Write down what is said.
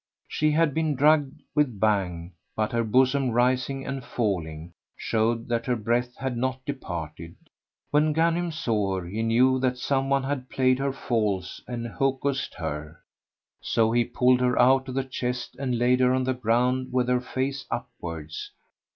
She had been drugged with Bhang, but her bosom, rising and falling, showed that her breath had not departed. When Ghanim saw her, he knew that some one had played her false and hocussed her; so he pulled her out of the chest and laid her on the ground with her face upwards.